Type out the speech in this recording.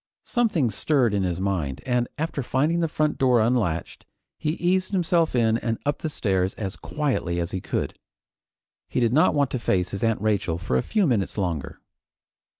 Something stirred in his mind, and after finding the front door unlatched, he eased himself in and up the stairs as quietly as he could. He did not want to face his Aunt Rachel for a few minutes longer.